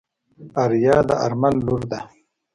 آريا د آرمل لور ده.